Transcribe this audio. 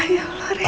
ya allah reina